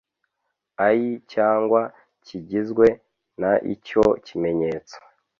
ayi cyangwa kigizwe n icyo kimenyetso